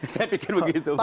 saya pikir begitu pak